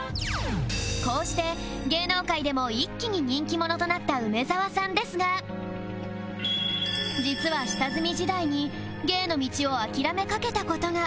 こうして芸能界でも一気に人気者となった梅沢さんですが実は下積み時代に芸の道を諦めかけた事が